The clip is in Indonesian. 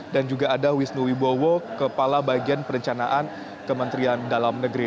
dan juga ada wisnu wibowo kepala bagian perencanaan kementerian dalam negeri